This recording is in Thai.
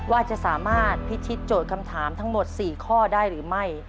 ว่าจะสามารถพิชิตโจทย์คำถามทั้งหมด๔ข้อได้หรือไม่